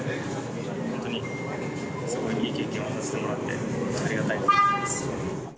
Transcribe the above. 本当にすごいいい経験をさせてもらって、ありがたいなと思います。